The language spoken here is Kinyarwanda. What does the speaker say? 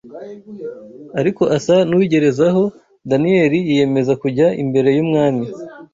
ariko asa n’uwigerezaho, Daniyeli yiyemeza kujya imbere y’umwami